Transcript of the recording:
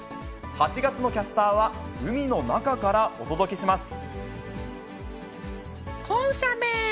８月のキャスターは、海の中からこんさめー。